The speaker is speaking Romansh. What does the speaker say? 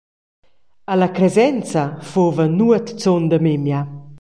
Alla Cresenza fuva nuotzun da memia.